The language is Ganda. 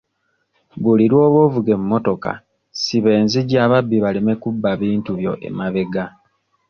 Buli lw'oba ovuga emmotoka siba enzigi ababbi baleme kubba bintu byo emabega.